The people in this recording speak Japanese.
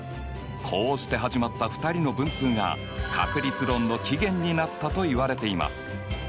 こうして始まった２人の文通が確率論の起源になったといわれています。